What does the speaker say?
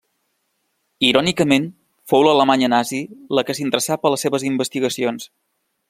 Irònicament, fou l'Alemanya nazi la que s'interessà per les seves investigacions.